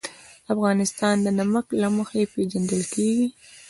افغانستان د نمک له مخې پېژندل کېږي.